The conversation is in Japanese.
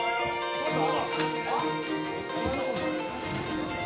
どうした？